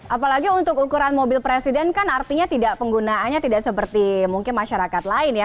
apalagi untuk ukuran mobil presiden kan artinya penggunaannya tidak seperti mungkin masyarakat lain ya